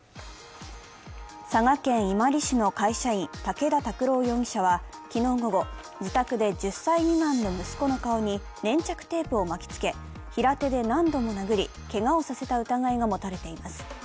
佐賀県伊万里市の会社員、武田拓朗容疑者は、昨日午後、自宅で１０歳未満の息子の顔に粘着テープを巻きつけ、平手で何度も殴り、けがをさせた疑いが持たれています。